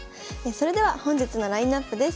それでは本日のラインナップです。